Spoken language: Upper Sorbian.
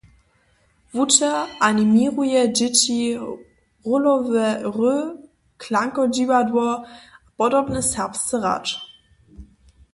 Wučer animěruje dźěći, rólowe hry, klankodźiwadło a podobne serbsce hrać.